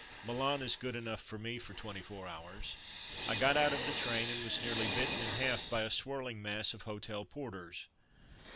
Milan is good enough for me for twenty four hours. I got out of the train, and was nearly bitten in half by a swirling mass of hotel porters.